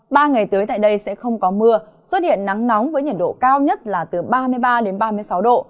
ba ngày tới tại đây sẽ không có mưa xuất hiện nắng nóng với nhiệt độ cao nhất là từ ba mươi ba đến ba mươi sáu độ